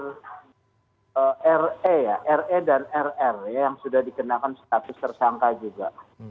dan juga dengan r e dan r r yang sudah dikenakan status tersangka juga